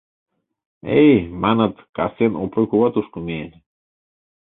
— Эй, маныт, кастен Опой кува тушко миен...